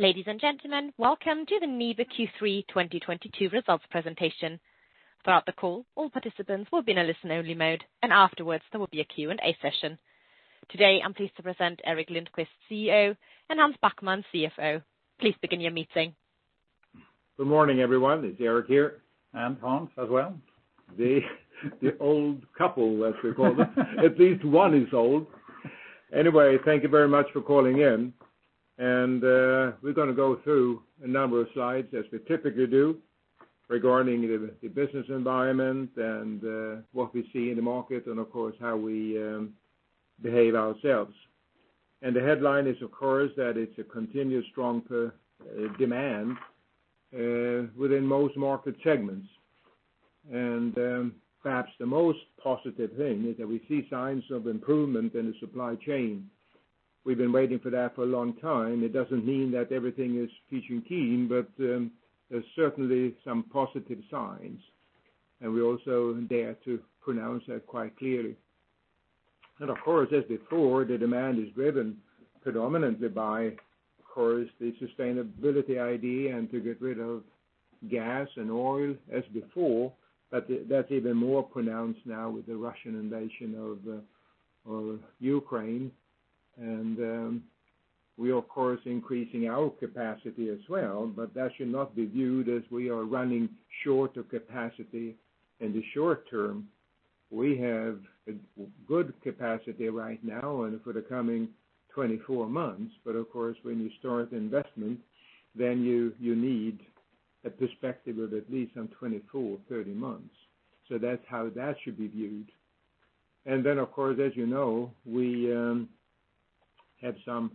Ladies and gentlemen, welcome to the Nibe Q3 2022 results presentation. Throughout the call, all participants will be in a listen-only mode, and afterwards there will be a Q&A session. Today, I'm pleased to present Gerteric Lindquist, CEO, and Hans Backman, CFO. Please begin your meeting. Good morning, everyone. It's Gerteric here. Hans as well. The old couple, as we call them. At least one is old. Anyway, thank you very much for calling in. We're gonna go through a number of slides as we typically do regarding the business environment and what we see in the market and of course how we behave ourselves. The headline is, of course, that it's a continuous strong demand within most market segments. Perhaps the most positive thing is that we see signs of improvement in the supply chain. We've been waiting for that for a long time. It doesn't mean that everything is peachy keen, but there's certainly some positive signs, and we also dare to pronounce that quite clearly. Of course, as before, the demand is driven predominantly by, of course, the sustainability idea and to get rid of gas and oil as before, but that's even more pronounced now with the Russian invasion of of Ukraine. We of course increasing our capacity as well, but that should not be viewed as we are running short of capacity in the short term. We have a good capacity right now and for the coming 24 months. Of course when you start investment, then you need a perspective of at least some 24, 30 months. That's how that should be viewed. Then of course, as you know, we had some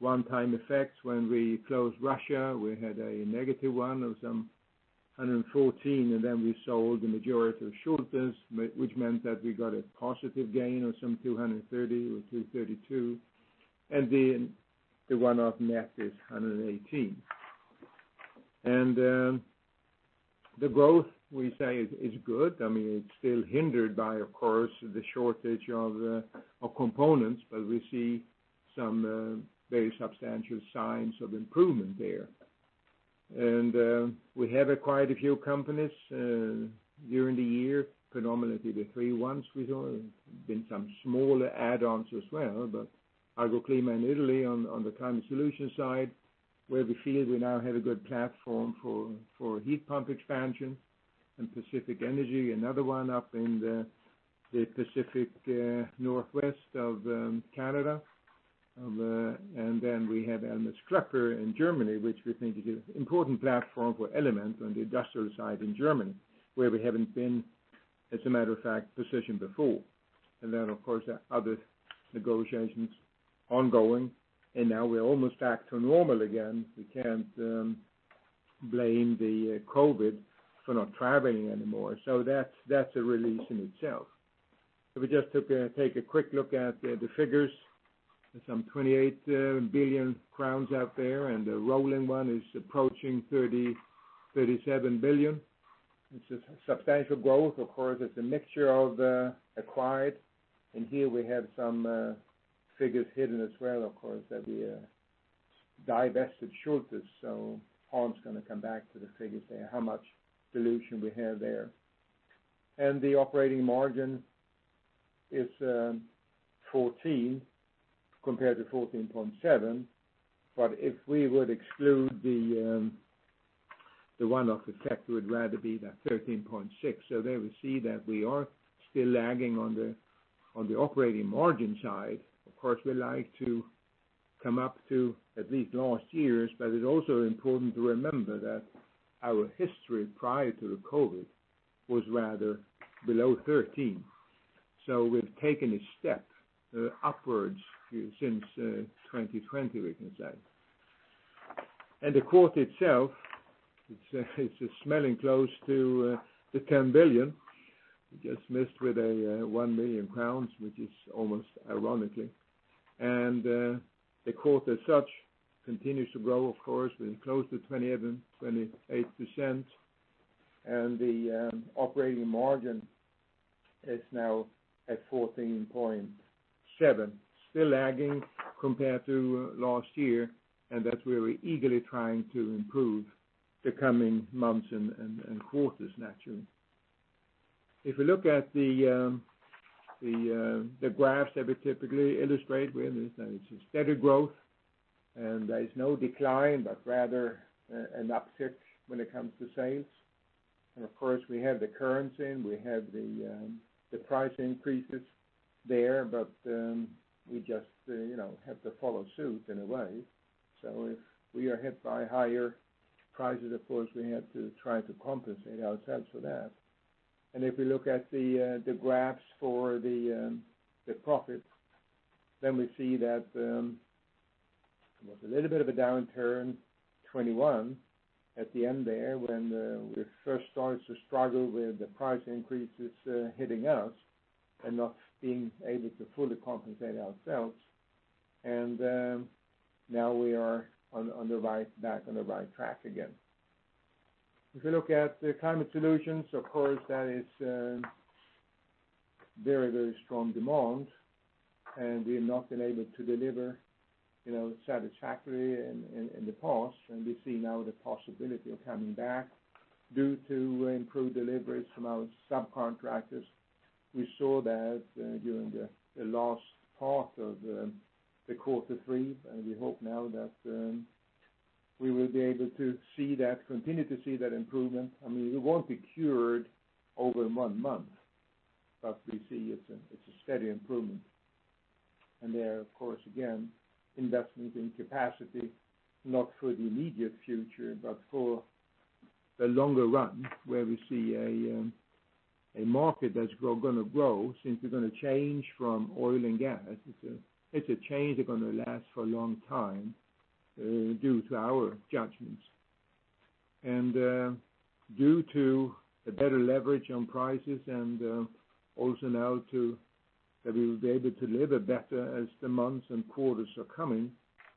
one-time effects when we closed Russia. We had a negative of some 114 million, and then we sold the majority of Schulthess, which meant that we got a positive gain of some 230 million or 232 million, and then the one-off net is 118 million. The growth we say is good. I mean, it's still hindered by, of course, the shortage of components, but we see some very substantial signs of improvement there. We have acquired a few companies during the year, predominantly the three ones we've done. There have been some smaller add-ons as well, but Argoclima in Italy on the climate solution side, where we feel we now have a good platform for heat pump expansion and Pacific Energy, another one up in the Pacific Northwest of Canada. We have ELMESS-Klöpper in Germany, which we think is an important platform for Element on the industrial side in Germany, where we haven't been, as a matter of fact, positioned before. Of course, there are other negotiations ongoing, and now we're almost back to normal again. We can't blame the COVID for not traveling anymore. That's a release in itself. If we just take a quick look at the figures. There's some 28 billion crowns out there, and the rolling one is approaching 37 billion, which is substantial growth. Of course, it's a mixture of acquired, and here we have some figures hidden as well, of course, that we divested Schulthess. Hans gonna come back to the figures there, how much dilution we have there. The operating margin is 14% compared to 14.7%. If we would exclude the one-off effect, it would rather be that 13.6%. There we see that we are still lagging on the operating margin side. Of course, we like to come up to at least last year's, but it's also important to remember that our history prior to the COVID was rather below 13%. We've taken a step upwards since 2020 we can say. The quote itself, it's coming close to the 10 billion. We just missed with a 1 million crowns, which is almost ironically. The quote as such continues to grow, of course. We're close to 27%-28%. The operating margin is now at 14.7%, still lagging compared to last year, and that's where we're eagerly trying to improve the coming months and quarters naturally. If we look at the graphs that we typically illustrate with, it's a steady growth and there is no decline, but rather an uptick when it comes to sales. Of course we have the currency and we have the price increases there. We just, you know, have to follow suit in a way. If we are hit by higher prices, of course, we have to try to compensate ourselves for that. If we look at the graphs for the profit, then we see that there was a little bit of a downturn, 2021 at the end there when we first started to struggle with the price increases hitting us and not being able to fully compensate ourselves. Now we are back on the right track again. If you look at the climate solutions, of course, that is very, very strong demand, and we have not been able to deliver, you know, satisfactorily in the past. We see now the possibility of coming back due to improved deliveries from our subcontractors. We saw that during the last part of the quarter three, and we hope now that we will be able to see that continue to see that improvement. I mean, it won't be cured over one month, but we see it's a steady improvement. There, of course, again, investments in capacity, not for the immediate future, but for the longer run, where we see a market that's gonna grow since we're gonna change from oil and gas. It's a change that's gonna last for a long time due to our judgments. Due to a better leverage on prices and also now that we will be able to deliver better as the months and quarters are coming,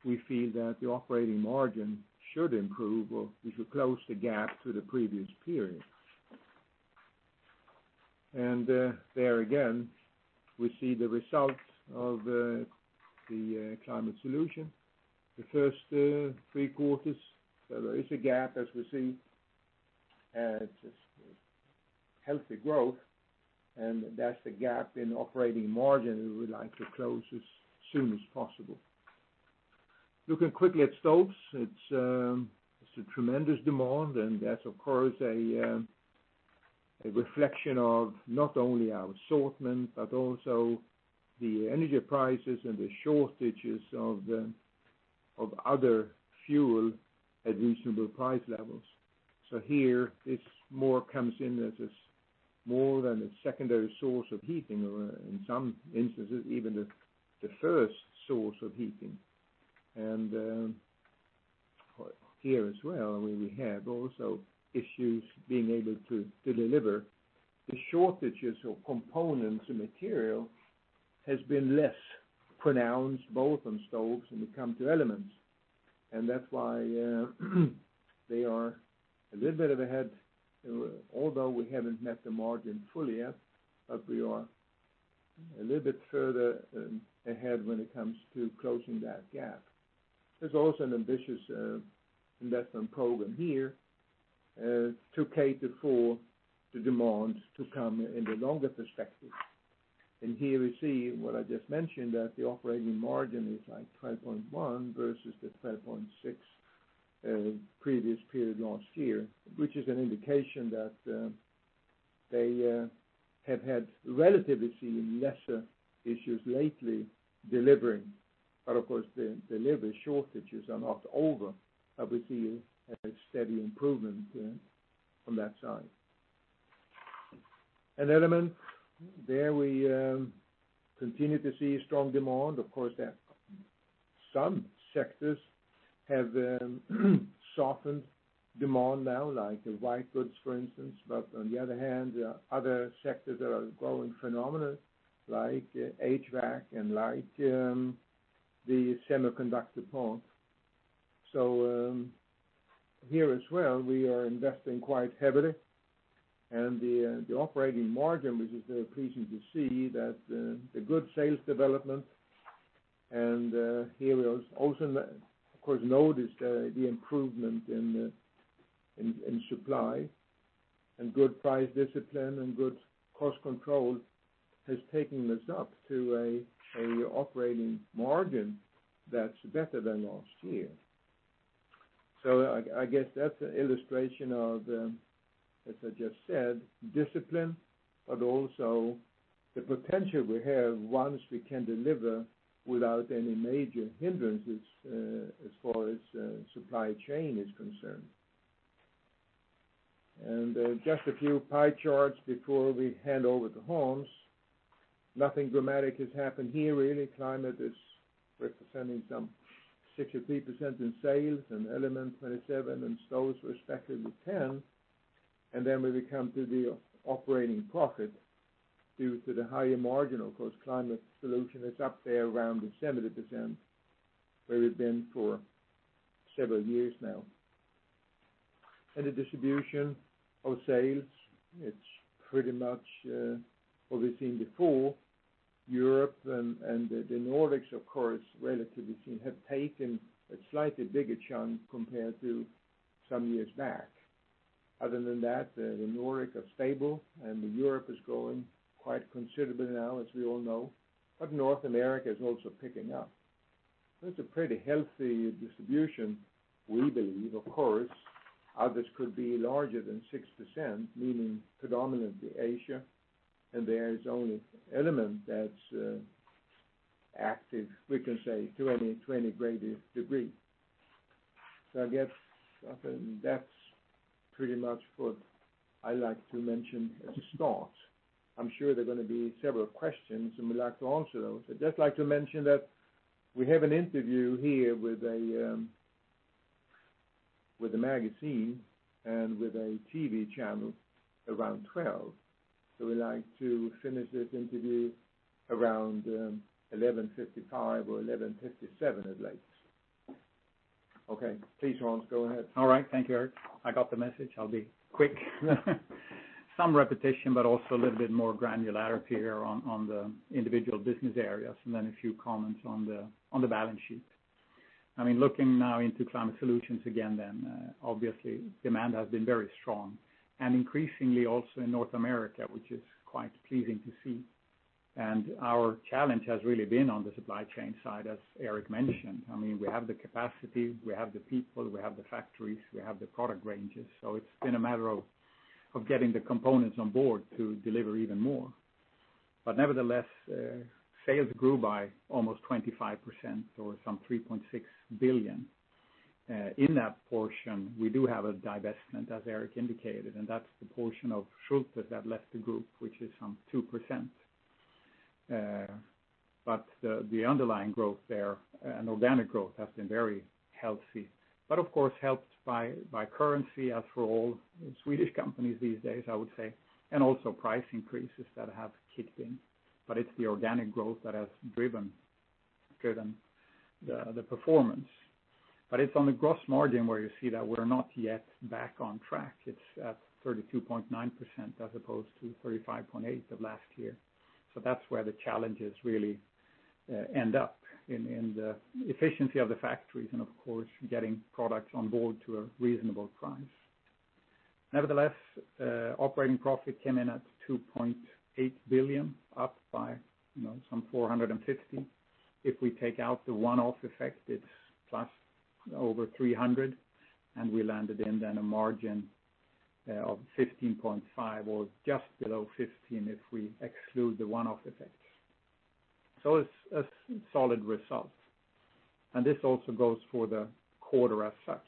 we feel that the operating margin should improve, or we should close the gap to the previous period. There again, we see the results of the climate solution. The first three quarters, so there is a gap as we see. It's healthy growth, and that's the gap in operating margin we would like to close as soon as possible. Looking quickly at stoves, it's a tremendous demand, and that's of course a reflection of not only our assortment, but also the energy prices and the shortages of other fuel at reasonable price levels. Here, it's more comes in as it's more than a secondary source of heating or in some instances, even the first source of heating. Here as well, where we have also issues being able to deliver. The shortages of components and material has been less pronounced both on stoves and when it come to elements. That's why they are a little bit of ahead, although we haven't met the margin fully yet, but we are a little bit further ahead when it comes to closing that gap. There's also an ambitious investment program here to cater for the demand to come in the longer perspective. Here we see what I just mentioned, that the operating margin is like 12.1% versus the 12.6% previous period last year. Which is an indication that they have had relatively seen lesser issues lately delivering. But of course, the delivery shortages are not over, but we're seeing a steady improvement from that side. Elements, there we continue to see strong demand. Of course, that some sectors have softened demand now, like the white goods, for instance. On the other hand, there are other sectors that are growing phenomenally, like HVAC and like, the semiconductor part. Here as well, we are investing quite heavily. The operating margin, which is very pleasing to see that, the good sales development. Here we also, of course, notice the improvement in supply. Good price discipline and good cost control has taken us up to an operating margin that's better than last year. I guess that's an illustration of, as I just said, discipline, but also the potential we have once we can deliver without any major hindrances, as far as supply chain is concerned. Just a few pie charts before we hand over the horns. Nothing dramatic has happened here really. Climate is representing some 63% in sales, and Element 27, and Stoves respectively, 10%. When we come to the operating profit, due to the higher margin, of course, Climate Solutions is up there around the 70%, where we've been for several years now. The distribution of sales, it's pretty much what we've seen before. Europe and the Nordics, of course, relatively seen, have taken a slightly bigger chunk compared to some years back. Other than that, the Nordics are stable and Europe is growing quite considerably now, as we all know. North America is also picking up. That's a pretty healthy distribution, we believe, of course. Others could be larger than 6%, meaning predominantly Asia, and there is only Element that's active, we can say, to any great degree. I guess that's pretty much what I like to mention as a start. I'm sure there are gonna be several questions, and we'd like to answer those. I'd just like to mention that we have an interview here with a magazine and with a TV channel around 12:00 P.M. We'd like to finish this interview around 11:55 A.M. or 11:57 A.M. at latest. Okay. Please, Hans Backman, go ahead. All right. Thank you, Eric. I got the message. I'll be quick. Some repetition, but also a little bit more granularity here on the individual business areas, and then a few comments on the balance sheet. I mean, looking now into Climate Solutions again, obviously demand has been very strong, and increasingly also in North America, which is quite pleasing to see. Our challenge has really been on the supply chain side, as Eric mentioned. I mean, we have the capacity, we have the people, we have the factories, we have the product ranges. It's been a matter of getting the components on board to deliver even more. Nevertheless, sales grew by almost 25% or some 3.6 billion. In that portion, we do have a divestment, as Gerteric indicated, and that's the portion of Schulthess that left the group, which is some 2%. The underlying growth there and organic growth has been very healthy. Of course, helped by currency, as for all Swedish companies these days, I would say, and also price increases that have kicked in. It's the organic growth that has driven the performance. It's on the gross margin where you see that we're not yet back on track. It's at 32.9% as opposed to 35.8% of last year. That's where the challenges really end up in the efficiency of the factories and, of course, getting products on board to a reasonable price. Nevertheless, operating profit came in at 2.8 billion, up by, you know, some 450 million. If we take out the one-off effect, it's plus over 300 million, and we landed in then a margin of 15.5% or just below 15% if we exclude the one-off effects. It's a solid result. This also goes for the quarter as such,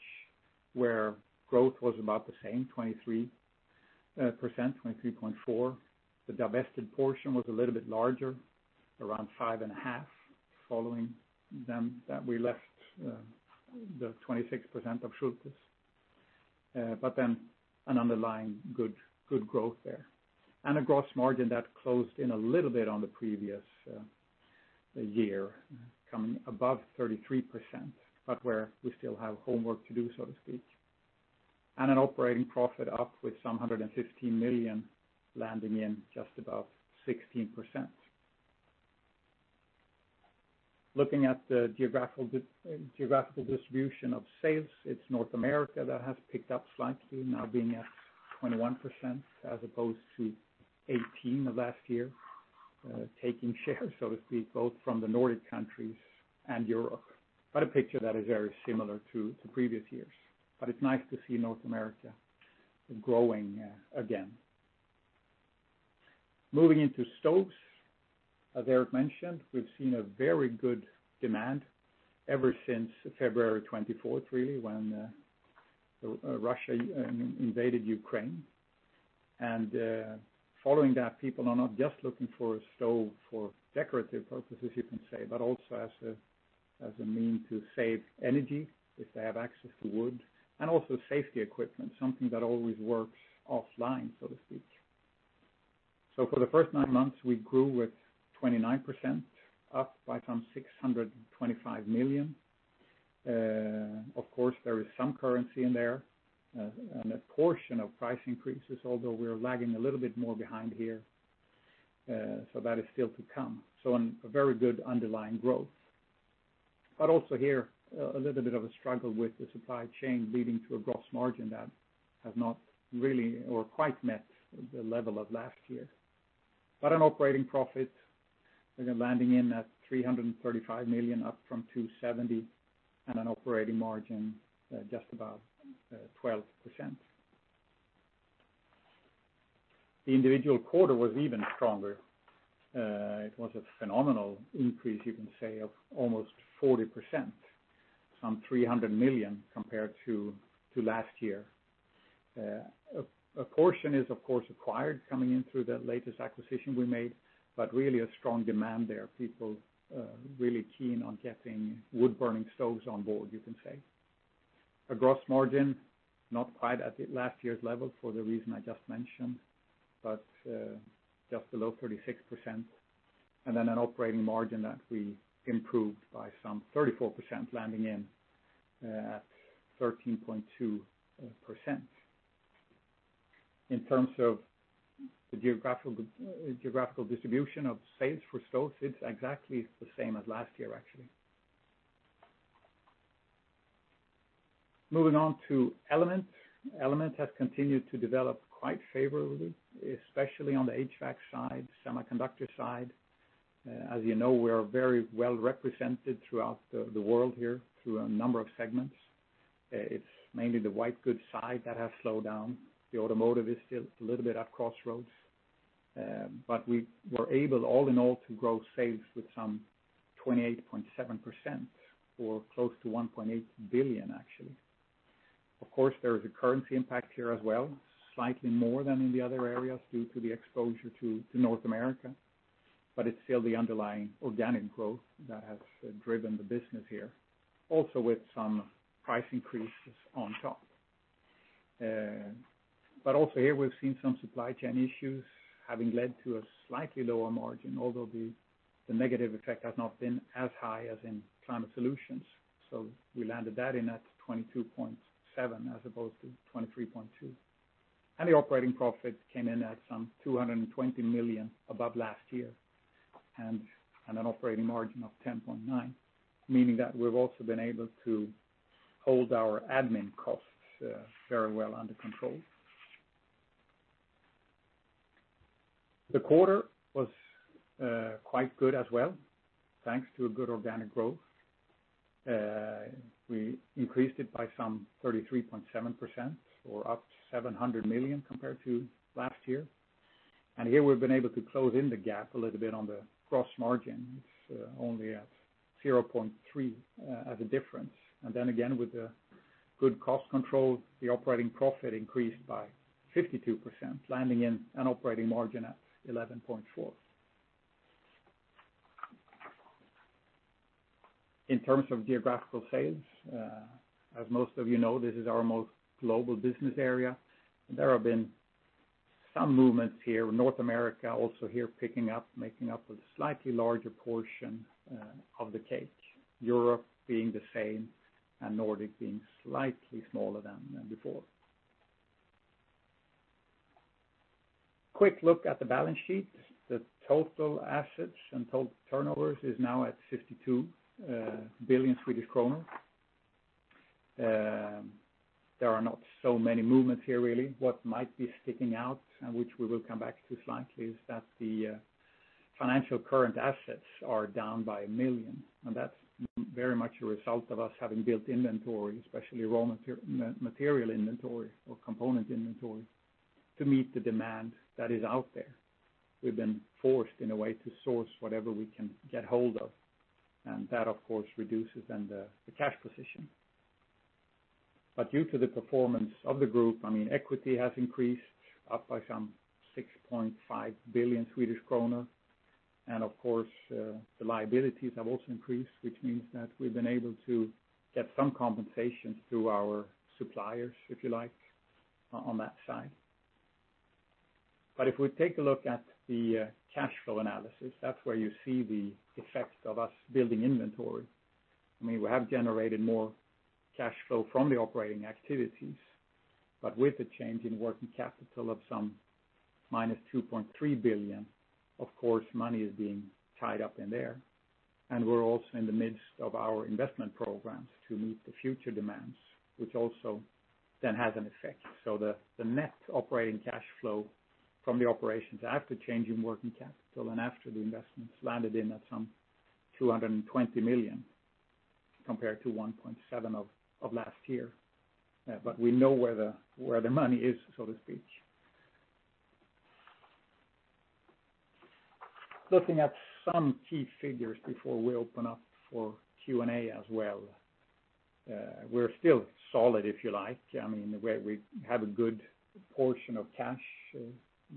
where growth was about the same, 23%, 23.4%. The divested portion was a little bit larger, around 5.5% following the divestment of the 26% of Schulthess. An underlying good growth there. A gross margin that closed in a little bit on the previous year coming above 33%, but where we still have homework to do, so to speak. An operating profit up with some 115 million landing in just about 16%. Looking at the geographical distribution of sales, it's North America that has picked up slightly now being at 21% as opposed to 18% of last year, taking shares, so to speak, both from the Nordic countries and Europe. A picture that is very similar to the previous years. It's nice to see North America growing again. Moving into stoves. As Gerteric mentioned, we've seen a very good demand ever since February 24, when Russia invaded Ukraine. Following that, people are not just looking for a stove for decorative purposes, you can say, but also as a mean to save energy if they have access to wood, and also safety equipment, something that always works offline, so to speak. For the first nine months, we grew with 29%, up by some 625 million. Of course, there is some currency in there, and a portion of price increases, although we're lagging a little bit more behind here, so that is still to come. A very good underlying growth. Also here, a little bit of a struggle with the supply chain leading to a gross margin that has not really or quite met the level of last year. An operating profit, again, landing in at 335 million, up from 270, and an operating margin, just about, 12%. The individual quarter was even stronger. It was a phenomenal increase, you can say, of almost 40%, some 300 million compared to last year. A portion is, of course, acquired coming in through the latest acquisition we made, but really a strong demand there. People really keen on getting wood burning stoves on board, you can say. A gross margin, not quite at the last year's level for the reason I just mentioned, but just below 36%. Then an operating margin that we improved by some 34%, landing in at 13.2%. In terms of the geographical distribution of sales for stoves, it's exactly the same as last year, actually. Moving on to Element. Element has continued to develop quite favorably, especially on the HVAC side, semiconductor side. As you know, we're very well represented throughout the world here through a number of segments. It's mainly the white goods side that has slowed down. The automotive is still a little bit at crossroads. We were able, all in all, to grow sales with some 28.7% or close to 1.8 billion, actually. Of course, there is a currency impact here as well, slightly more than in the other areas due to the exposure to North America, but it's still the underlying organic growth that has driven the business here, also with some price increases on top. Also here we've seen some supply chain issues having led to a slightly lower margin, although the negative effect has not been as high as in Climate Solutions. We landed that in at 22.7% as opposed to 23.2%. The operating profit came in at some 220 million above last year, and an operating margin of 10.9%, meaning that we've also been able to hold our admin costs very well under control. The quarter was quite good as well, thanks to a good organic growth. We increased it by some 33.7% or up 700 million compared to last year. Here we've been able to close in the gap a little bit on the gross margin. It's only at 0.3% as a difference. With the good cost control, the operating profit increased by 52%, landing in an operating margin at 11.4%. In terms of geographical sales, as most of you know, this is our most global business area. There have been some movements here. North America also here picking up, making up a slightly larger portion of the cake, Europe being the same, and Nordic being slightly smaller than before. Quick look at the balance sheet. The total assets and total turnovers is now at 52 billion Swedish kronor. There are not so many movements here, really. What might be sticking out, and which we will come back to slightly, is that the financial current assets are down by 1 million, and that's very much a result of us having built inventory, especially raw material inventory or component inventory, to meet the demand that is out there. We've been forced, in a way, to source whatever we can get hold of, and that, of course, reduces then the cash position. Due to the performance of the group, I mean, equity has increased up by some 6.5 billion Swedish kronor. Of course, the liabilities have also increased, which means that we've been able to get some compensation through our suppliers, if you like, on that side. If we take a look at the cash flow analysis, that's where you see the effect of us building inventory. I mean, we have generated more cash flow from the operating activities, but with the change in working capital of some -2.3 billion, of course, money is being tied up in there. We're also in the midst of our investment programs to meet the future demands, which also then has an effect. The net operating cash flow from the operations after change in working capital and after the investments landed at some 220 million, compared to 1.7 billion of last year. But we know where the money is, so to speak. Looking at some key figures before we open up for Q&A as well. We're still solid, if you like. I mean, we have a good portion of cash.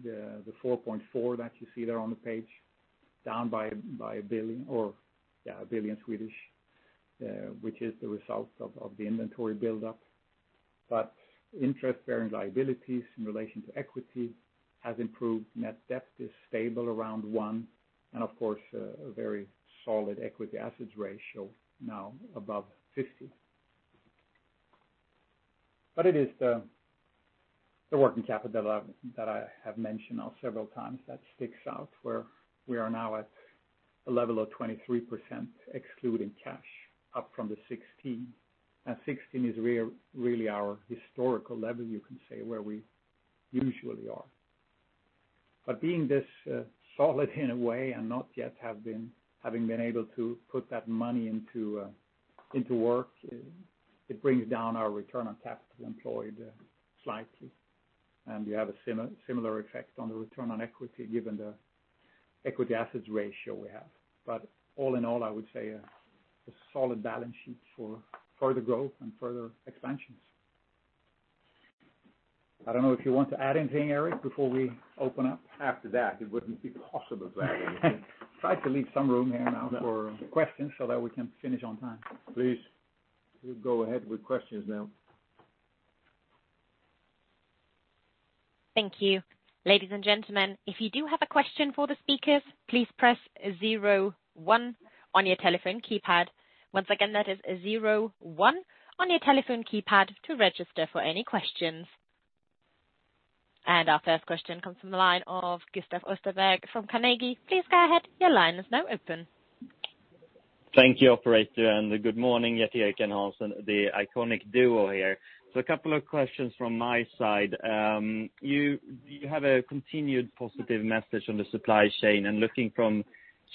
The 4.4 that you see there on the page, down by a billion or, yeah, 1 billion Swedish, which is the result of the inventory buildup. But interest-bearing liabilities in relation to equity has improved. Net debt is stable around one and of course, a very solid equity assets ratio now above 50%. It is the working capital that I have mentioned now several times that sticks out where we are now at a level of 23%, excluding cash, up from the 16%. Sixteen is really our historical level, you can say, where we usually are. Being this solid in a way and not yet having been able to put that money into work, it brings down our return on capital employed slightly. We have a similar effect on the return on equity given the equity assets ratio we have. All in all, I would say a solid balance sheet for further growth and further expansions. I don't know if you want to add anything, Gerteric, before we open up? After that, it wouldn't be possible to add anything. Try to leave some room here now for questions so that we can finish on time. Please do go ahead with questions now. Thank you. Ladies and gentlemen, if you do have a question for the speakers, please press zero one on your telephone keypad. Once again, that is zero one on your telephone keypad to register for any questions. Our first question comes from the line of Carl Deijenberg from Carnegie. Please go ahead. Your line is now open. Thank you, operator. Good morning, yet again, Hans, the iconic duo here. A couple of questions from my side. You have a continued positive message on the supply chain, and looking from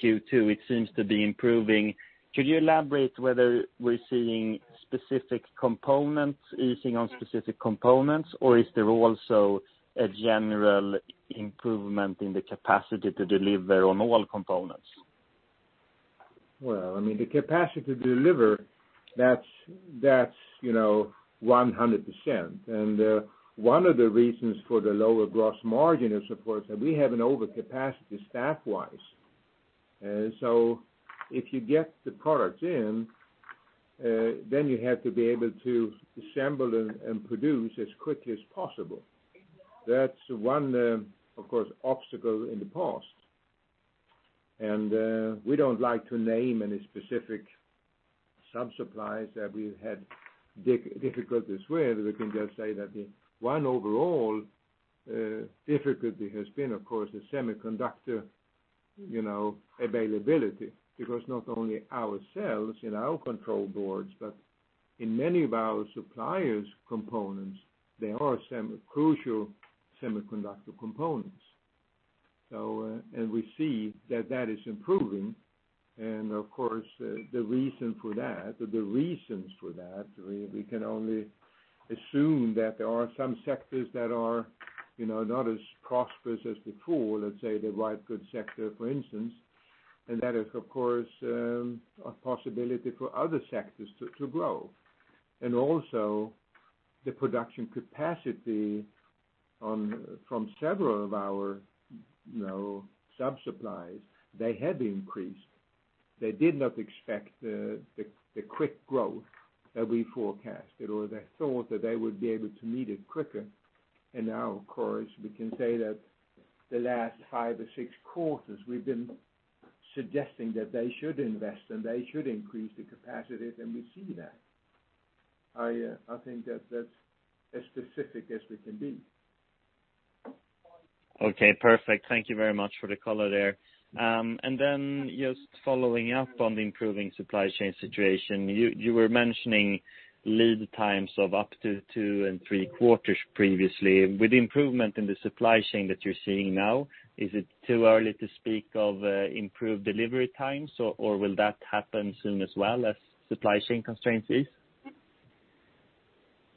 Q2, it seems to be improving. Could you elaborate whether we're seeing specific components easing on specific components, or is there also a general improvement in the capacity to deliver on all components? I mean the capacity to deliver, that's 100%. One of the reasons for the lower gross margin is, of course, that we have an overcapacity staff-wise. If you get the products in, then you have to be able to assemble and produce as quickly as possible. That's one, of course, obstacle in the past. We don't like to name any specific sub-suppliers that we've had difficulties with. We can just say that the one overall difficulty has been, of course, the semiconductor, you know, availability. Because not only ourselves in our control boards, but in many of our suppliers' components, there are semi-crucial semiconductor components. We see that is improving. Of course, the reason for that, or the reasons for that, we can only assume that there are some sectors that are, you know, not as prosperous as before, let's say the white goods sector, for instance. That is, of course, a possibility for other sectors to grow. Also the production capacity from several of our, you know, sub-suppliers, they had increased. They did not expect the quick growth that we forecasted, or they thought that they would be able to meet it quicker. Now, of course, we can say that the last five or six quarters we've been suggesting that they should invest and they should increase the capacity, and we see that. I think that that's as specific as we can be. Okay, perfect. Thank you very much for the color there. Just following up on the improving supply chain situation, you were mentioning lead times of up to 2 and 3 quarters previously. With the improvement in the supply chain that you're seeing now, is it too early to speak of improved delivery times or will that happen soon as well as supply chain constraints ease?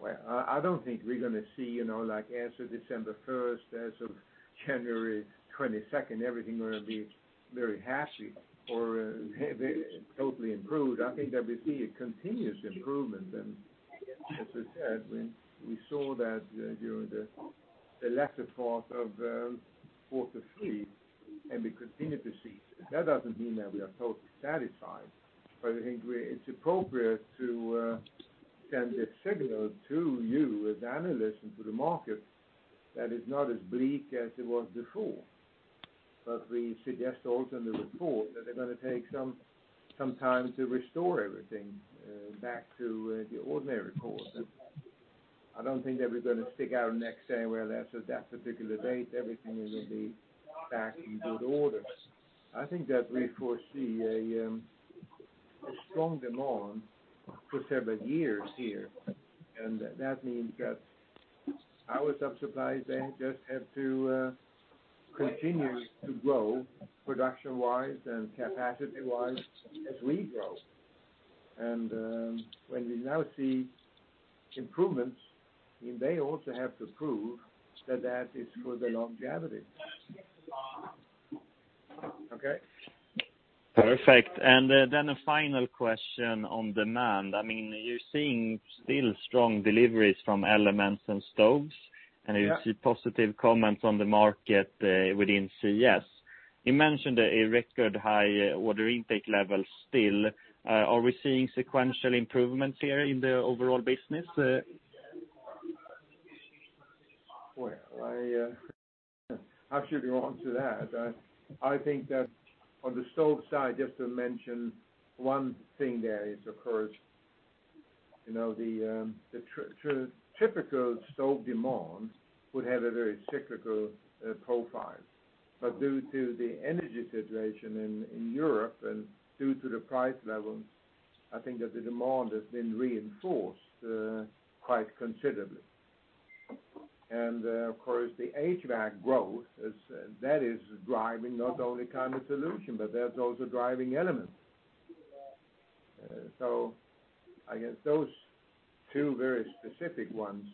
Well, I don't think we're gonna see, you know, like as of December first, as of January twenty-second, everything gonna be very happy or totally improved. I think that we see a continuous improvement. As I said, when we saw that during the latter course of quarter three, and we continue to see, that doesn't mean that we are totally satisfied. I think it's appropriate to send a signal to you as analysts and to the market that it's not as bleak as it was before. We suggest also in the report that they're gonna take some time to restore everything back to the ordinary course. I don't think that we're gonna stick our neck, say, well, that's at that particular date, everything will be back in good order. I think that we foresee a strong demand for several years here, and that means that our sub-suppliers, they just have to continue to grow production-wise and capacity-wise as we grow. When we now see improvements, they also have to prove that is for the longevity. Okay? Perfect. A final question on demand. I mean, you're seeing still strong deliveries from Elements and Stoves. Yeah. You see positive comments on the market within CS. You mentioned a record high order intake level still. Are we seeing sequential improvements here in the overall business? Well, I how should we answer that? I think that on the stove side, just to mention one thing there is, of course, you know, the typical stove demand would have a very cyclical profile. Due to the energy situation in Europe and due to the price level, I think that the demand has been reinforced quite considerably. Of course, the HVAC growth is that is driving not only climate solution, but that's also driving elements. So I guess those two very specific ones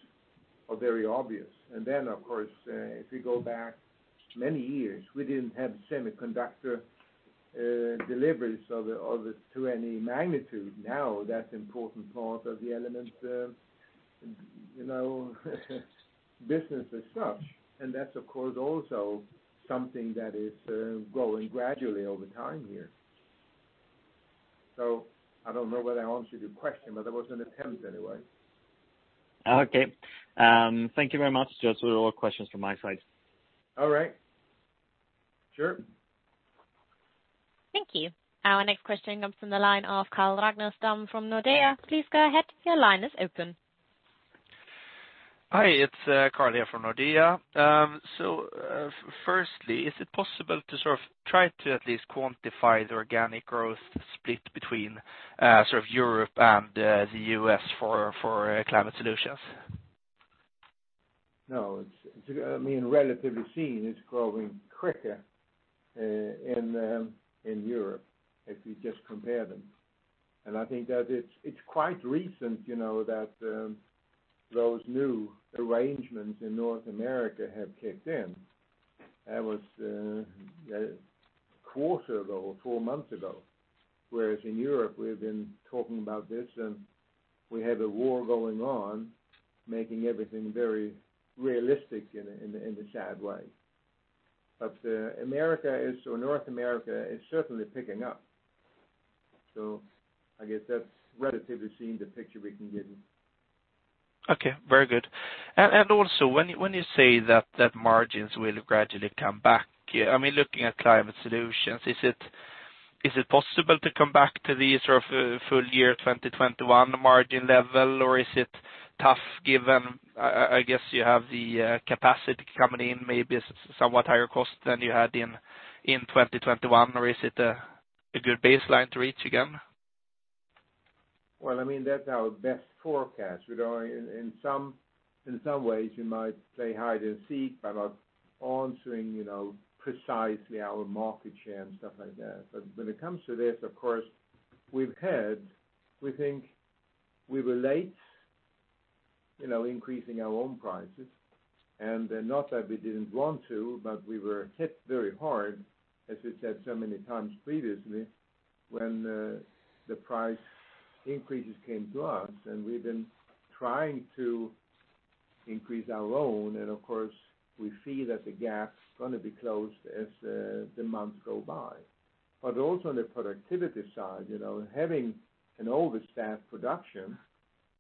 are very obvious. Of course, if we go back many years, we didn't have semiconductor deliveries to any magnitude. Now, that's important part of the element, you know, business as such. That's, of course, also something that is growing gradually over time here. I don't know whether I answered your question, but there was an attempt anyway. Okay. Thank you very much. Those are all questions from my side. All right. Sure. Thank you. Our next question comes from the line of Carl Ragnerstam from Nordea. Please go ahead, your line is open. Hi, it's Carl here from Nordea. Firstly, is it possible to sort of try to at least quantify the organic growth split between sort of Europe and the US for climate solutions? No, it's, I mean, relatively seen, it's growing quicker in Europe, if you just compare them. I think that it's quite recent, you know, that those new arrangements in North America have kicked in. That was a quarter ago or four months ago. Whereas in Europe, we've been talking about this, and we have a war going on, making everything very realistic in a sad way. America is or North America is certainly picking up. I guess that's relatively seen the picture we can give you. Okay. Very good. Also when you say that margins will gradually come back, yeah, I mean, looking at climate solutions, is it possible to come back to the sort of full year 2021 margin level? Or is it tough given I guess you have the capacity coming in maybe somewhat higher cost than you had in 2021, or is it a good baseline to reach again? Well, I mean, that's our best forecast. In some ways you might play hide and seek by not answering, you know, precisely our market share and stuff like that. When it comes to this, of course, we've had, we think we were late, you know, increasing our own prices and not that we didn't want to, but we were hit very hard, as we said so many times previously, when the price increases came to us, and we've been trying to increase our own. Of course, we see that the gap's gonna be closed as the months go by. Also on the productivity side, you know, having an overstaffed production,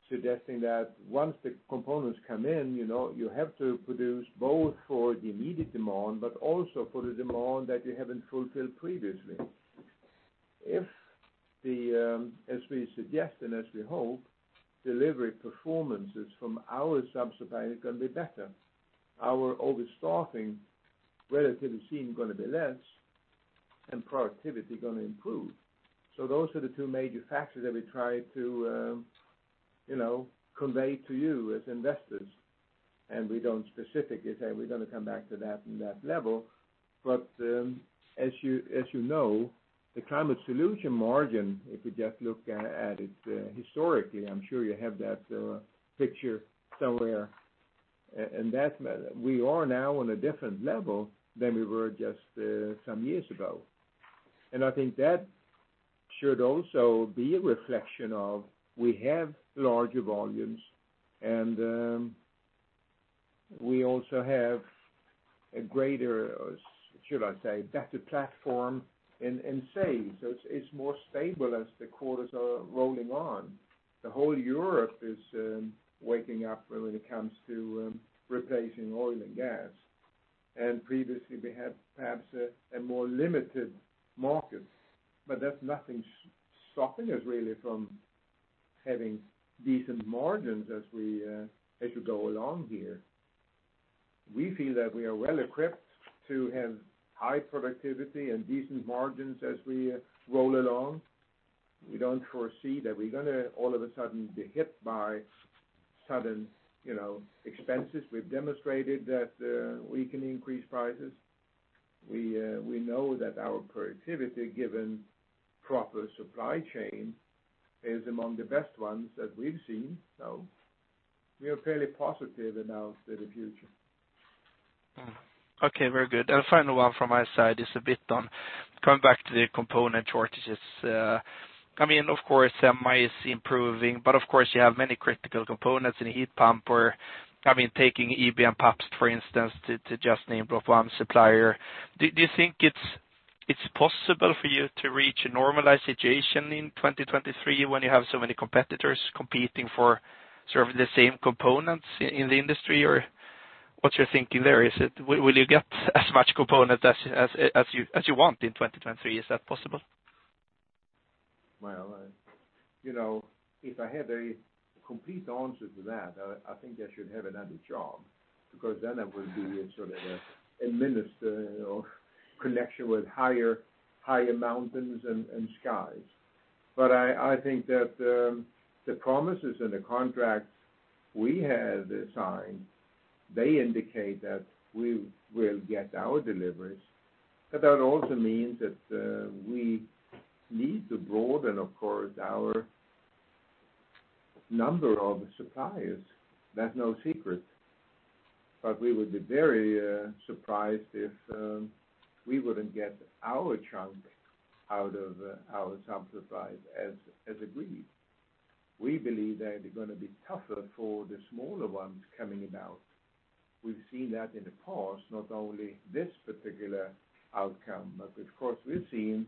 suggesting that once the components come in, you know, you have to produce both for the immediate demand but also for the demand that you haven't fulfilled previously. If the, as we suggest and as we hope, delivery performances from our sub-supplier are gonna be better, our overstaffing relatively seen gonna be less and productivity gonna be improve. Those are the two major factors that we try to, you know, convey to you as investors, and we don't specifically say we're gonna come back to that and that level. As you, as you know, the Climate Solutions margin, if you just look at it, historically, I'm sure you have that, picture somewhere. We are now on a different level than we were just, some years ago. I think that should also be a reflection of we have larger volumes and, we also have a greater, should I say, better platform in sales. It's, it's more stable as the quarters are rolling on. The whole Europe is waking up when it comes to replacing oil and gas. Previously we had perhaps a more limited market, but that's nothing stopping us really from having decent margins as we as you go along here. We feel that we are well-equipped to have high productivity and decent margins as we roll along. We don't foresee that we're gonna all of a sudden be hit by sudden, you know, expenses. We've demonstrated that we can increase prices. We know that our productivity, given proper supply chain, is among the best ones that we've seen. We are fairly positive about the future. Okay, very good. Final one from my side is a bit on coming back to the component shortages. I mean, of course, some might see improving, but of course you have many critical components in a heat pump or, I mean, taking ebm-papst, for instance, to just name one supplier. Do you think it's possible for you to reach a normalized situation in 2023 when you have so many competitors competing for sort of the same components in the industry, or what's your thinking there? Will you get as much component as you want in 2023? Is that possible? Well, you know, if I had a complete answer to that, I think I should have another job, because then I would be in sort of a minister or connection with higher mountains and skies. I think that the promises and the contracts we have signed, they indicate that we will get our deliveries. That also means that we need to broaden, of course, our number of suppliers. That's no secret. We would be very surprised if we wouldn't get our chunk out of our sub-supplies as agreed. We believe that it's gonna be tougher for the smaller ones coming about. We've seen that in the past, not only this particular outcome, but of course, we've seen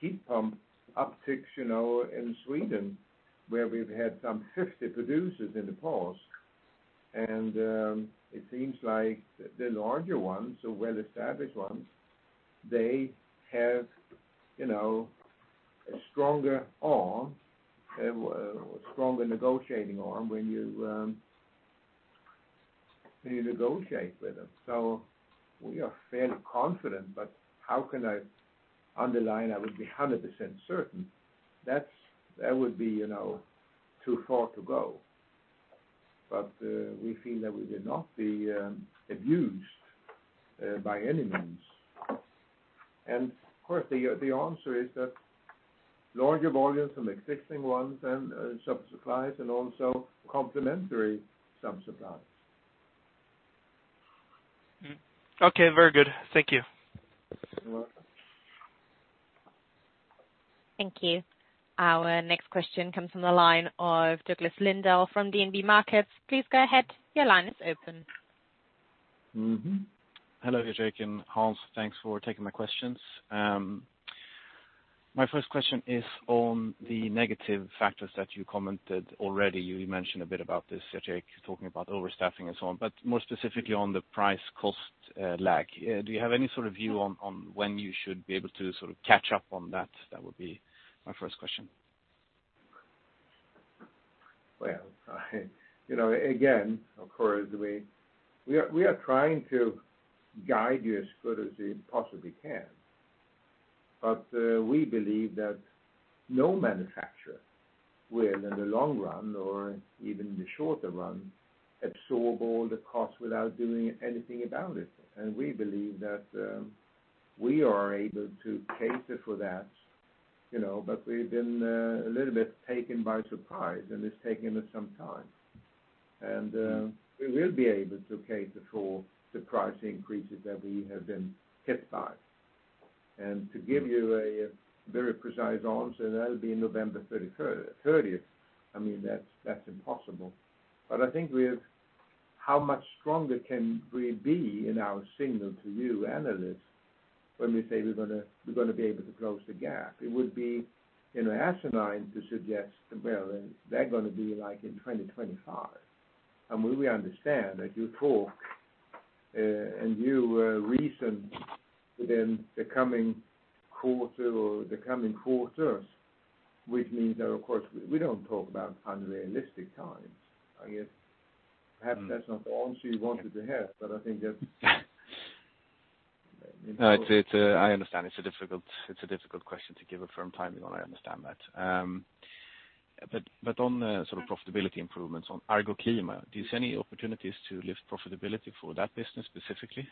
heat pump upticks, you know, in Sweden, where we've had some 50 producers in the past. It seems like the larger ones or well-established ones, they have, you know, a stronger arm, stronger negotiating arm when you negotiate with them. We are fairly confident, but how can I underline I would be 100% certain? That would be, you know, too far to go. We feel that we will not be abused by any means. Of course, the answer is that larger volumes from existing ones and sub-suppliers and also complementary sub-suppliers. Okay, very good. Thank you. You're welcome. Thank you. Our next question comes from the line of Douglas Lindahl from DNB Markets. Please go ahead. Your line is open. Hello, Gerteric and Hans. Thanks for taking my questions. My first question is on the negative factors that you commented already. You mentioned a bit about this, Gerteric, talking about overstaffing and so on, but more specifically on the price cost lag. Do you have any sort of view on when you should be able to sort of catch up on that? That would be my first question. Well, you know, again, of course, we are trying to guide you as good as we possibly can. We believe that no manufacturer will, in the long run or even in the shorter run, absorb all the costs without doing anything about it. We believe that we are able to cater for that, you know, but we've been a little bit taken by surprise, and it's taken us some time. We will be able to cater for the price increases that we have been hit by. To give you a very precise answer, that'll be November thirtieth, I mean, that's impossible. I think we've. How much stronger can we be in our signal to you analysts when we say we're gonna be able to close the gap? It would be, you know, asinine to suggest, well, they're gonna be like in 2025. We understand that you talk and you reason within the coming quarter or the coming quarters, which means that of course we don't talk about unrealistic times. I guess perhaps that's not the answer you wanted to hear, but I think that's. No, it's. I understand it's a difficult question to give a firm timing on. I understand that. But on the sort of profitability improvements on Argoclima, are there any opportunities to lift profitability for that business specifically?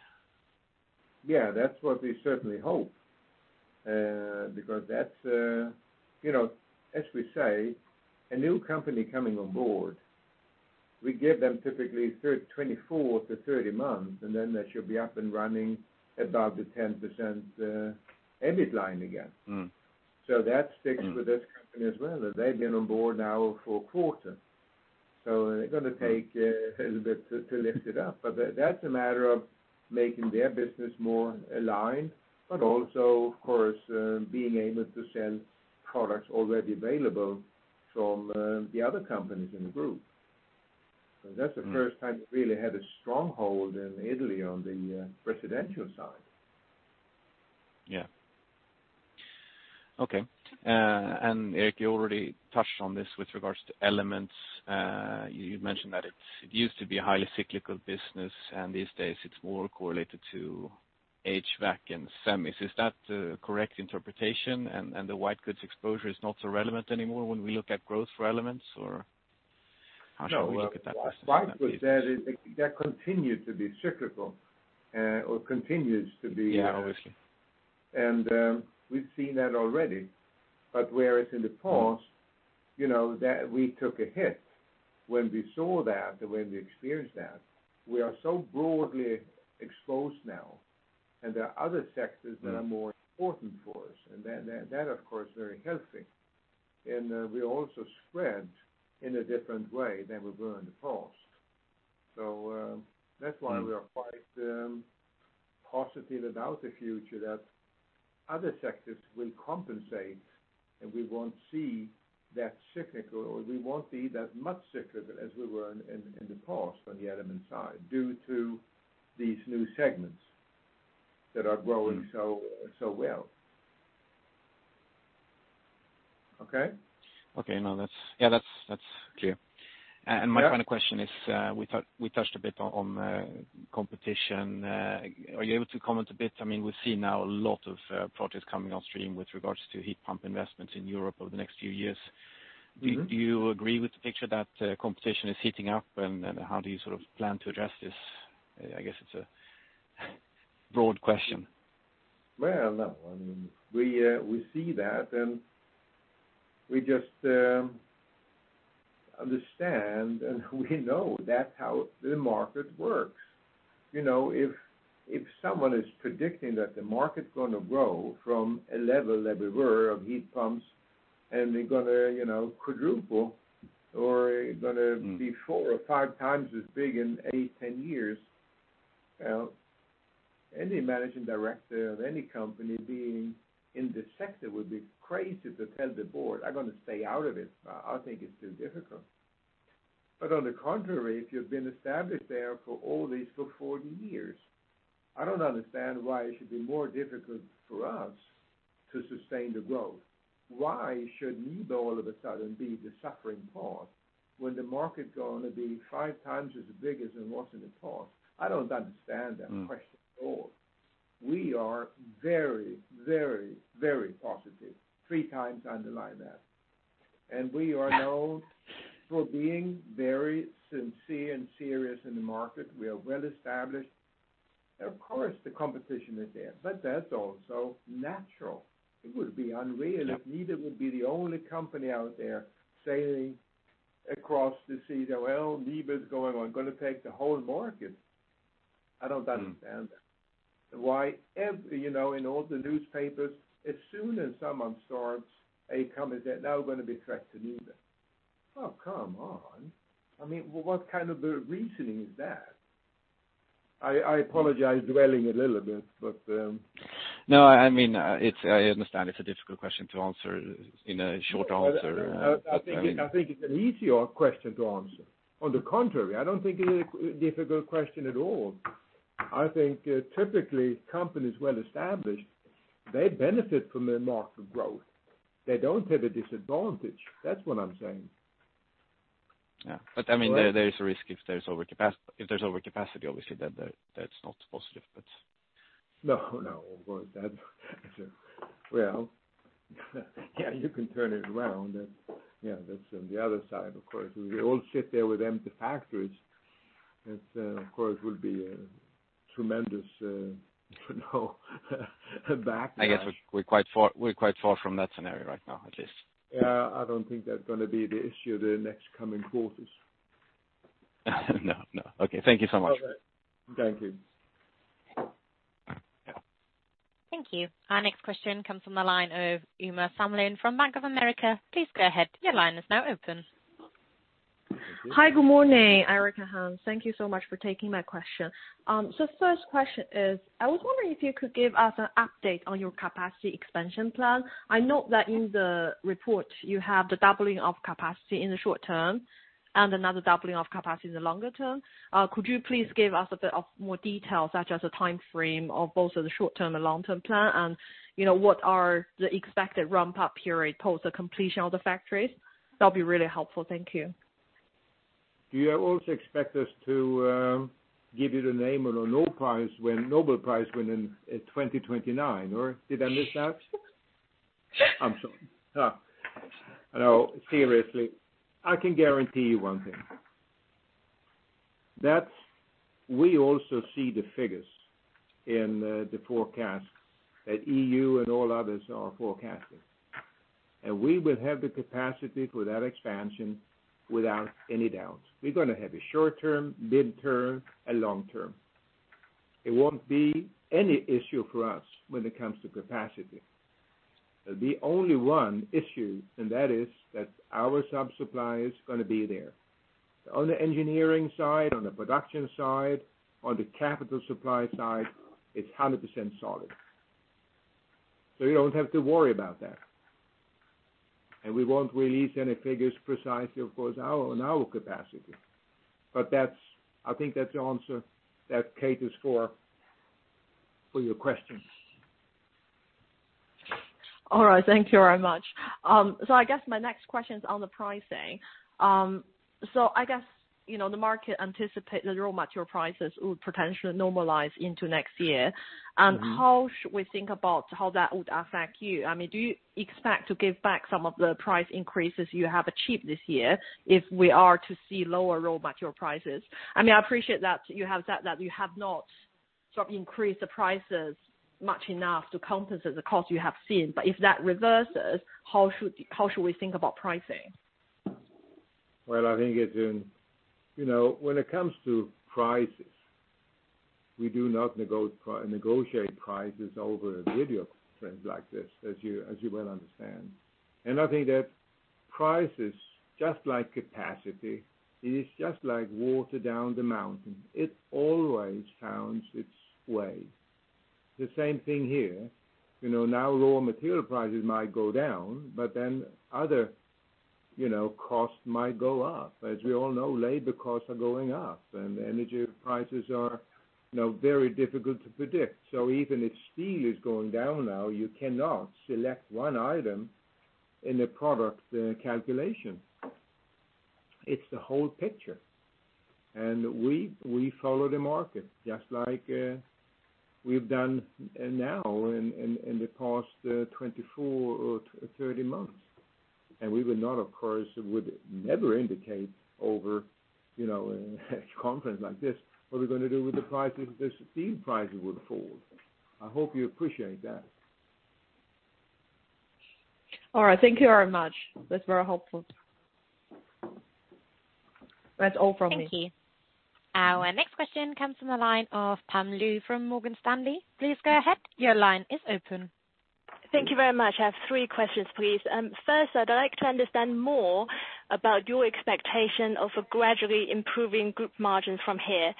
Yeah. That's what we certainly hope, because that's, you know, as we say, a new company coming on board, we give them typically 24-30 months, and then they should be up and running above the 10% EBIT line again. That sticks with this company as well, as they've been on board now for a quarter. They're gonna take a little bit to lift it up. That's a matter of making their business more aligned, but also of course, being able to sell products already available from the other companies in the group. That's the first time we really had a stronghold in Italy on the residential side. Yeah. Okay. Erik, you already touched on this with regards to elements. You'd mentioned that it's. It used to be a highly cyclical business, and these days it's more correlated to HVAC and semis. Is that the correct interpretation and the white goods exposure is not so relevant anymore when we look at growth for elements or how should we look at that piece? No. white goods, that is, that continues to be cyclical. Yeah. Obviously. We've seen that already. Whereas in the past, you know, that we took a hit when we saw that and when we experienced that, we are so broadly exposed now, and there are other sectors that are more important for us, and that of course very healthy. We also spread in a different way than we were in the past. That's why we are quite positive about the future that other sectors will compensate, and we won't see that cyclical, or we won't see that much cyclical as we were in the past on the element side due to these new segments that are growing so well. Okay? Okay. No, that's. Yeah, that's clear. Yeah. My final question is, we touched a bit on competition. Are you able to comment a bit? I mean, we see now a lot of projects coming on stream with regards to heat pump investments in Europe over the next few years. Do you agree with the picture that competition is heating up, and how do you sort of plan to address this? I guess it's a broad question. Well, no, I mean, we see that, and we just understand and we know that's how the market works. You know, if someone is predicting that the market's gonna grow from a level that we were of heat pumps, and they're gonna, you know, quadruple or gonna be four or five times as big in eight, ten years, well, any managing director of any company being in this sector would be crazy to tell the board, "I'm gonna stay out of it. I think it's too difficult." On the contrary, if you've been established there for forty years, I don't understand why it should be more difficult for us to sustain the growth. Why should NIBE all of a sudden be the suffering part when the market's gonna be five times as big as it was in the past? I don't understand that question at all. We are very, very, very positive. Three times underline that. We are known for being very sincere and serious in the market. We are well-established. Of course, the competition is there, but that's also natural. It would be unreal if Nibe would be the only company out there selling across the sea, well, Nibe is going to take the whole market. I don't understand that. You know, in all the newspapers, as soon as someone starts, a comment that now we're gonna be a threat to Nibe. Oh, come on. I mean, what kind of a reasoning is that? I apologize for dwelling a little bit, but. No, I mean, I understand it's a difficult question to answer in a short answer. I think it's an easier question to answer. On the contrary, I don't think it's a difficult question at all. I think, typically, companies well-established, they benefit from the market growth. They don't have a disadvantage. That's what I'm saying. Yeah. I mean. Right There is a risk if there's overcapacity, obviously, then that's not positive, but. No, no. Of course, that. Well, yeah, you can turn it around and, you know, that's on the other side, of course. If we all sit there with empty factories, that, of course, would be a tremendous, you know, backlash. I guess we're quite far from that scenario right now, at least. Yeah, I don't think that's gonna be the issue the next coming quarters. No. No. Okay. Thank you so much. All right. Thank you. Thank you. Our next question comes from the line of Uma Samlin from Bank of America. Please go ahead. Your line is now open. Hi. Good morning, Erik and Hans. Thank you so much for taking my question. First question is, I was wondering if you could give us an update on your capacity expansion plan. I know that in the report you have the doubling of capacity in the short term, and another doubling of capacity in the longer term. Could you please give us a bit more detail, such as the timeframe of both of the short-term and long-term plan, and, you know, what are the expected ramp-up period post the completion of the factories? That'll be really helpful. Thank you. Do you also expect us to give you the name of the Nobel Prize winner in 2029, or did I miss that? I'm sorry. No, seriously, I can guarantee you one thing. That we also see the figures in the forecast at EU and all others are forecasting. We will have the capacity for that expansion without any doubt. We're gonna have a short term, mid term, and long term. It won't be any issue for us when it comes to capacity. The only one issue, and that is that our sub-supply is gonna be there. On the engineering side, on the production side, on the capital supply side, it's 100% solid. You don't have to worry about that. We won't release any figures precisely, of course, on our capacity. But that's. I think that's the answer that caters for your question. All right. Thank you very much. I guess my next question's on the pricing. I guess, you know, the market anticipate the raw material prices would potentially normalize into next year. How should we think about how that would affect you? I mean, do you expect to give back some of the price increases you have achieved this year if we are to see lower raw material prices? I mean, I appreciate that you have said that you have not sort of increased the prices much enough to compensate the cost you have seen. If that reverses, how should we think about pricing? Well, I think it, you know, when it comes to prices, we do not negotiate prices over a video conference like this, as you well understand. I think that prices, just like capacity, it is just like water down the mountain. It always finds its way. The same thing here. You know, now raw material prices might go down, but then other, you know, costs might go up. As we all know, labor costs are going up, and energy prices are, you know, very difficult to predict. Even if steel is going down now, you cannot select one item in a product calculation. It's the whole picture. We follow the market, just like we've done now in the past 24 or 30 months. We would not, of course, never indicate over, you know, a conference like this, what we're gonna do with the prices if the steel prices would fall. I hope you appreciate that. All right. Thank you very much. That's very helpful. That's all from me. Thank you. Our next question comes from the line of Pam Liu from Morgan Stanley. Please go ahead. Your line is open. Thank you. Thank you very much. I have three questions, please. First, I'd like to understand more about your expectation of a gradually improving group margin from here.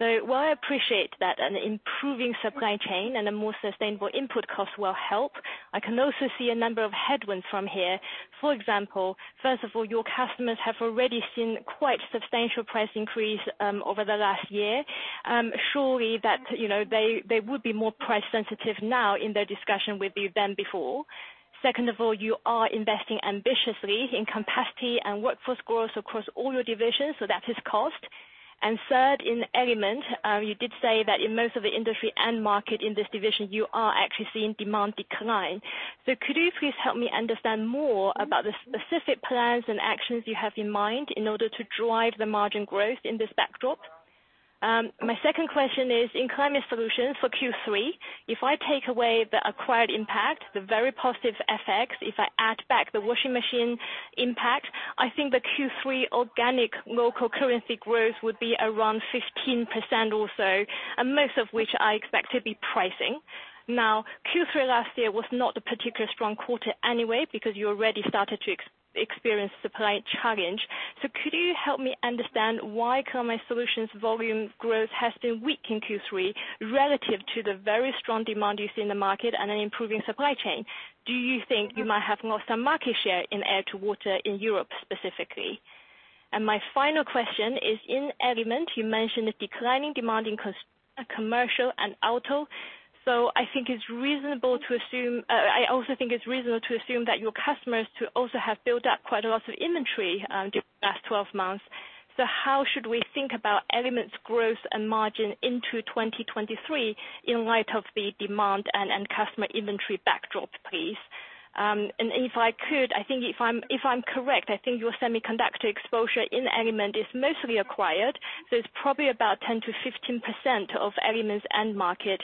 While I appreciate that an improving supply chain and a more sustainable input cost will help, I can also see a number of headwinds from here. For example, first of all, your customers have already seen quite substantial price increase over the last year. Surely that, you know, they would be more price sensitive now in their discussion with you than before. Second of all, you are investing ambitiously in capacity and workforce growth across all your divisions, so that is cost. Third, in Element, you did say that in most of the industry end market in this division, you are actually seeing demand decline. Could you please help me understand more about the specific plans and actions you have in mind in order to drive the margin growth in this backdrop? My second question is in Climate Solutions for Q3, if I take away the acquired impact, the very positive effects, if I add back the washing machine impact, I think the Q3 organic local currency growth would be around 15% also, and most of which I expect to be pricing. Now, Q3 last year was not a particularly strong quarter anyway because you already started to experience supply challenge. Could you help me understand why Climate Solutions volume growth has been weak in Q3 relative to the very strong demand you see in the market and an improving supply chain? Do you think you might have lost some market share in air to water in Europe specifically? My final question is, in Element, you mentioned a declining demand in commercial and auto. I think it's reasonable to assume that your customers have also built up quite a lot of inventory during the past 12 months. How should we think about Element's growth and margin into 2023 in light of the demand and customer inventory backdrop, please? If I could, I think if I'm correct, your semiconductor exposure in Element is mostly acquired, so it's probably about 10%-15% of Element's end market.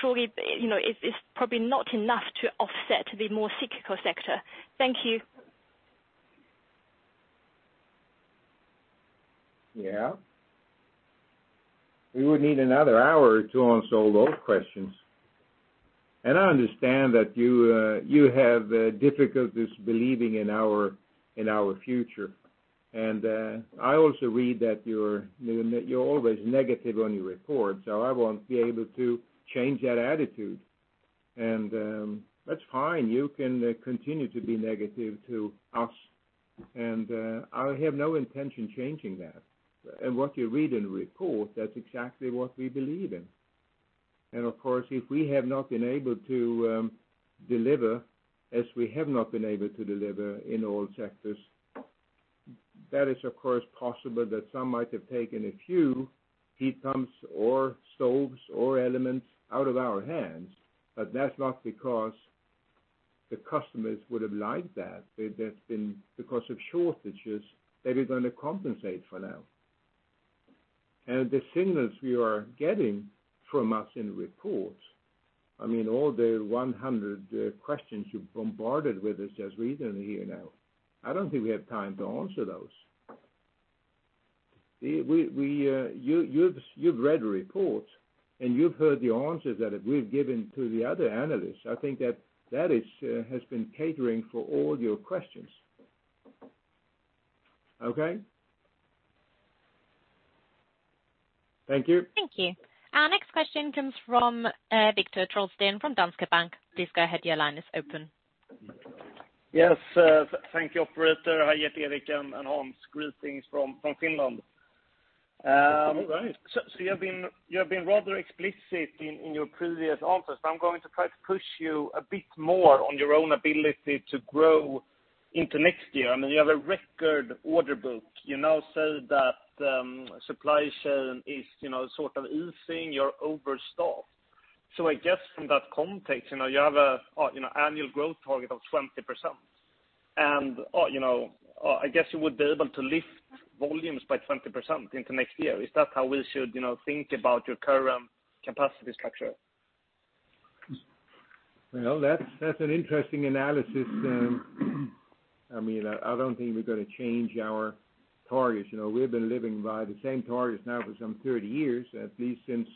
Surely, you know, it's probably not enough to offset the more cyclical sector. Thank you. Yeah. We would need another hour or two on those questions. I understand that you have difficulties believing in our future. I also read that you're always negative on your report, so I won't be able to change that attitude. That's fine. You can continue to be negative to us. I have no intention changing that. What you read in the report, that's exactly what we believe in. Of course, if we have not been able to deliver, as we have not been able to deliver in all sectors, that is, of course, possible that some might have taken a few heat pumps or stoves or elements out of our hands. That's not because the customers would have liked that. That's been because of shortages that we're gonna compensate for now. The signals you are getting from us in reports, I mean, all the 100 questions you bombarded us with just recently here now, I don't think we have time to answer those. You've read reports and you've heard the answers that we've given to the other analysts. I think that has been catering for all your questions. Okay. Thank you. Thank you. Our next question comes from Viktor Trollsten from Danske Bank. Please go ahead. Your line is open. Yes. Thank you, operator. Hi, Gerteric and Hans. Greetings from Finland. All right. You have been rather explicit in your previous answers. I'm going to try to push you a bit more on your own ability to grow into next year. I mean, you have a record order book. You now say that supply chain is, you know, sort of easing. You're overstaffed. I guess in that context, you know, you have an annual growth target of 20%. I guess you would be able to lift volumes by 20% into next year. Is that how we should, you know, think about your current capacity structure? Well, that's an interesting analysis. I mean, I don't think we're gonna change our targets. You know, we've been living by the same targets now for some 30 years, at least since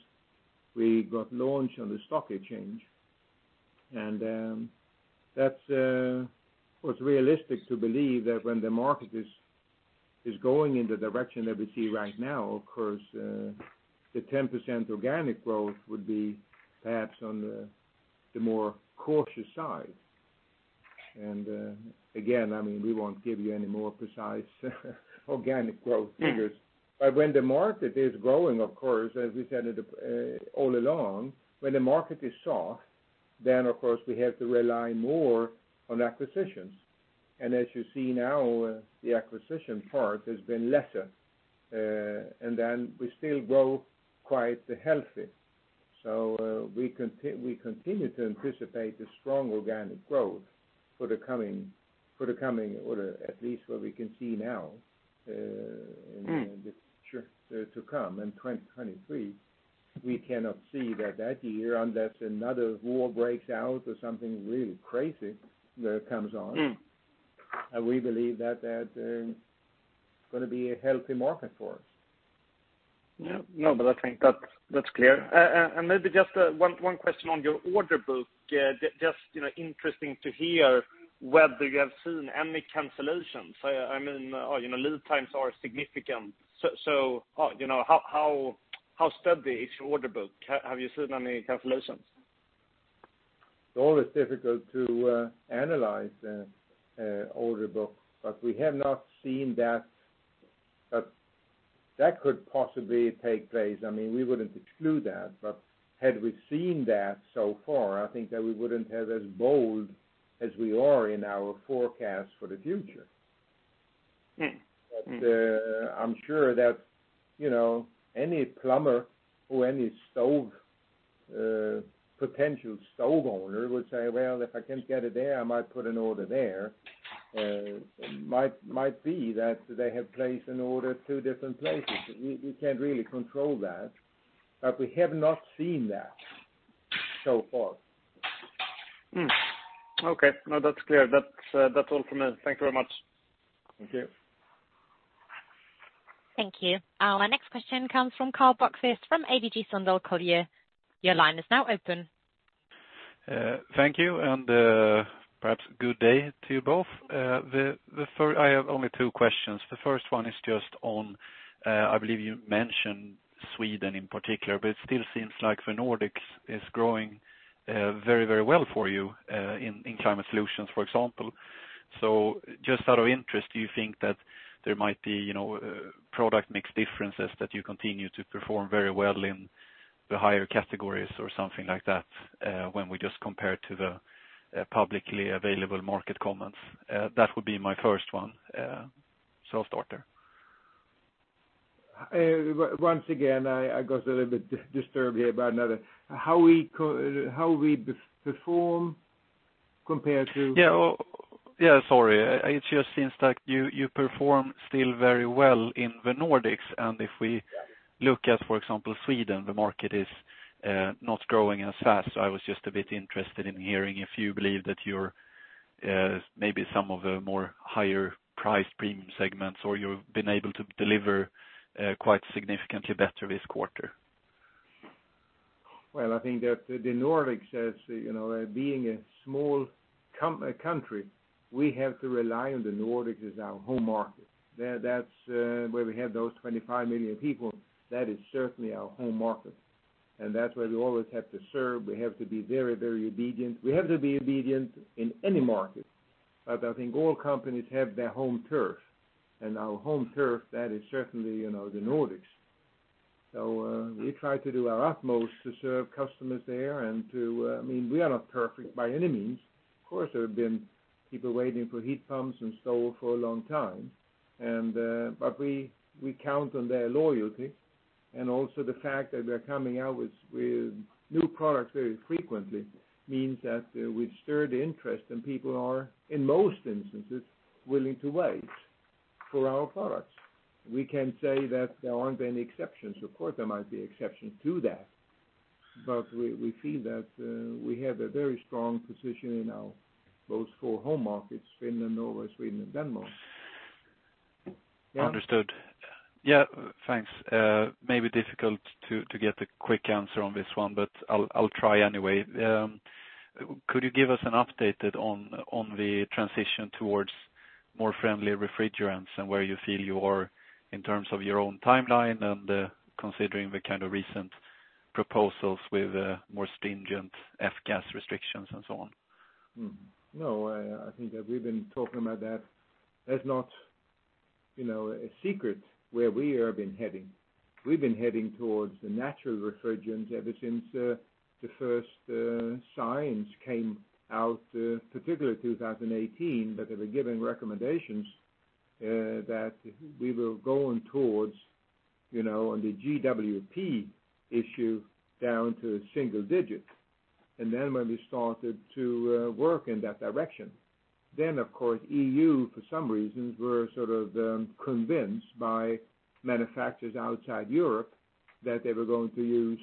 we got launched on the stock exchange. That's what's realistic to believe that when the market is going in the direction that we see right now, of course, the 10% organic growth would be perhaps on the more cautious side. Again, I mean, we won't give you any more precise organic growth figures. When the market is growing, of course, as we said it all along, when the market is soft, then, of course, we have to rely more on acquisitions. As you see now, the acquisition part has been lesser, and then we still grow quite healthy. We continue to anticipate a strong organic growth for the coming order, at least what we can see now, you know, the future to come in 2023. We cannot see that year, unless another war breaks out or something really crazy that comes on. We believe that gonna be a healthy market for us. Yeah. No, but I think that's clear. Maybe just one question on your order book. Just, you know, interesting to hear whether you have seen any cancellations. I mean, you know, lead times are significant. You know, how steady is your order book? Have you seen any cancellations? It's always difficult to analyze order book, but we have not seen that. That could possibly take place. I mean, we wouldn't exclude that, but had we seen that so far, I think that we wouldn't have as bold as we are in our forecast for the future. I'm sure that, you know, any plumber or any stove, potential stove owner would say, "Well, if I can get it there, I might put an order there." Might be that they have placed an order two different places. We can't really control that, but we have not seen that so far. Okay. No, that's clear. That's all from me. Thank you very much. Thank you. Thank you. Our next question comes from Karl Bokvist from ABG Sundal Collier. Your line is now open. Thank you. Perhaps good day to you both. I have only two questions. The first one is just on, I believe you mentioned Sweden in particular, but it still seems like the Nordics is growing very, very well for you in climate solutions, for example. Just out of interest, do you think that there might be, you know, product mix differences that you continue to perform very well in the higher categories or something like that when we just compare to the publicly available market comments? That would be my first one, so I'll start there. Once again, I got a little bit disturbed here by Anders. How we perform compared to- Yeah, oh, yeah, sorry. It just seems like you perform still very well in the Nordics. If we look at, for example, Sweden, the market is not growing as fast. I was just a bit interested in hearing if you believe that you're maybe some of the more higher price premium segments or you've been able to deliver quite significantly better this quarter. I think that the Nordics, as you know, being a small country, we have to rely on the Nordics as our home market. That is where we have those 25 million people. That is certainly our home market. That's where we always have to serve. We have to be very obedient. We have to be obedient in any market. I think all companies have their home turf. Our home turf, that is certainly, you know, the Nordics. We try to do our utmost to serve customers there. I mean, we are not perfect by any means. Of course, there have been people waiting for heat pumps and stove for a long time. We count on their loyalty. The fact that we're coming out with new products very frequently means that we've stirred interest, and people are, in most instances, willing to wait for our products. We can say that there aren't any exceptions. Of course, there might be exceptions to that. We feel that we have a very strong position in our those four home markets, Finland, Norway, Sweden and Denmark. Yeah. Understood. Yeah, thanks. It may be difficult to get a quick answer on this one, but I'll try anyway. Could you give us an update on the transition towards more friendly refrigerants and where you feel you are in terms of your own timeline and, considering the kind of recent proposals with more stringent F-Gas restrictions and so on? No, I think that we've been talking about that. That's not, you know, a secret where we have been heading. We've been heading towards the natural refrigerants ever since the first signs came out, particularly 2018, that they were giving recommendations that we were going towards, you know, the GWP issue down to single digits. Then when we started to work in that direction, then of course, EU, for some reasons, were sort of convinced by manufacturers outside Europe that they were going to use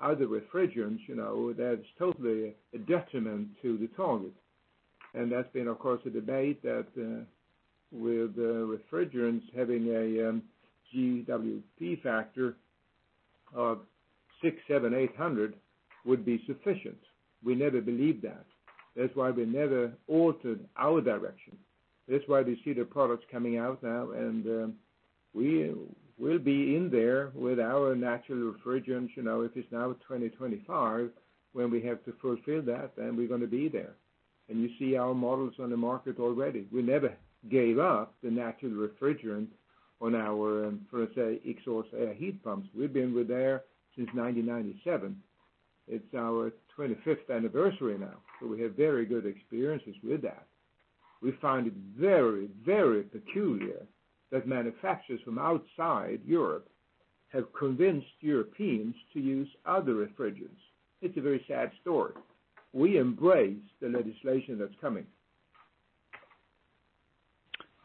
other refrigerants, you know, that's totally a detriment to the target. That's been, of course, a debate that with refrigerants having a GWP factor of 600, 700, 800 would be sufficient. We never believed that. That's why we never altered our direction. That's why we see the products coming out now. We will be in there with our natural refrigerants, you know. If it's now 2025, when we have to fulfill that, then we're gonna be there. You see our models on the market already. We never gave up the natural refrigerants on our, for say, exhaust air heat pumps. We've been there since 1997. It's our 25th anniversary now. We have very good experiences with that. We find it very, very peculiar that manufacturers from outside Europe have convinced Europeans to use other refrigerants. It's a very sad story. We embrace the legislation that's coming.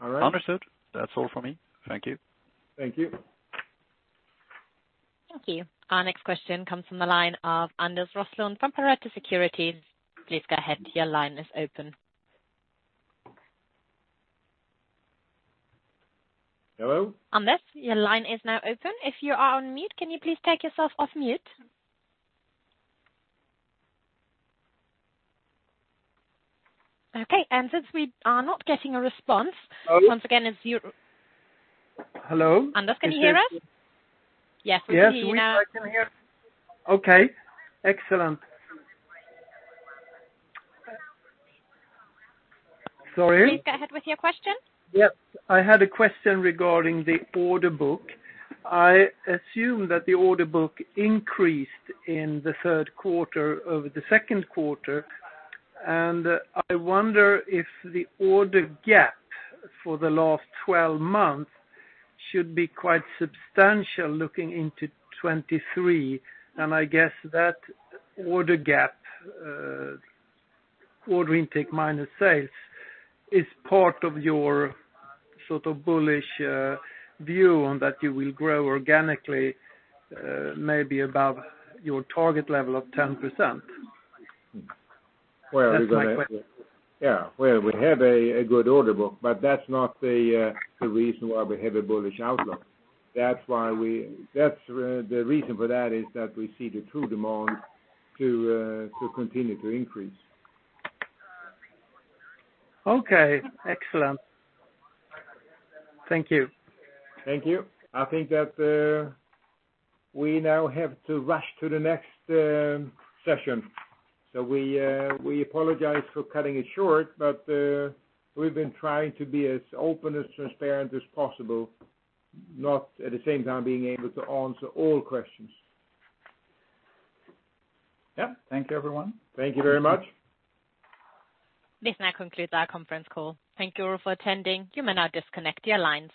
All right? Understood. That's all for me. Thank you. Thank you. Thank you. Our next question comes from the line of Anders Roslund from Pareto Securities. Please go ahead. Your line is open. Hello? Anders, your line is now open. If you are on mute, can you please take yourself off mute? Okay, since we are not getting a response. Hello? Once again, it's your- Hello? Anders, can you hear us? Yes. Yes, we can hear. Okay, excellent. Sorry. Please go ahead with your question. Yep. I had a question regarding the order book. I assume that the order book increased in the third quarter over the second quarter, and I wonder if the order gap for the last 12 months should be quite substantial looking into 2023. I guess that order gap, order intake minus sales, is part of your sort of bullish view on that you will grow organically, maybe above your target level of 10%. Well. That's my question. Yeah. Well, we have a good order book, but that's not the reason why we have a bullish outlook. That's the reason for that is that we see the true demand to continue to increase. Okay. Excellent. Thank you. Thank you. I think that we now have to rush to the next session. We apologize for cutting it short, but we've been trying to be as open as transparent as possible, not at the same time being able to answer all questions. Yeah. Thank you, everyone. Thank you very much. This now concludes our conference call. Thank you all for attending. You may now disconnect your lines.